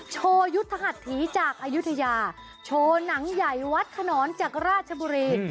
ยุทธหัสถีจากอายุทยาโชว์หนังใหญ่วัดขนอนจากราชบุรี